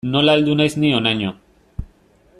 Nola heldu naiz ni honaino.